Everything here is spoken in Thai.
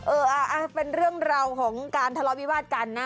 เออเป็นเรื่องราวของการทะเลาะวิวาสกันนะ